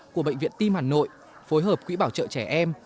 của bệnh viện tim hà nội phối hợp quỹ bảo trợ trẻ em